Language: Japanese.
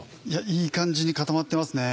いい感じに固まってますね。